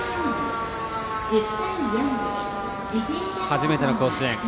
初めての甲子園。